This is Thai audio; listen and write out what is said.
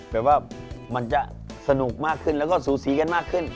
แบบว่ามันจะสนุกมากขึ้นแล้วก็สูสีกันมากขึ้น